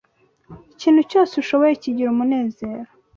Ikintu cyose ushoboye kigira umunezero.